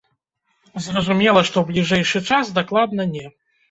Зразумела, што ў бліжэйшы час дакладна не.